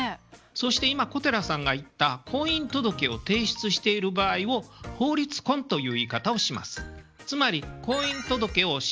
そして今小寺さんが言った婚姻届を提出している場合を「法律婚」という言い方をします。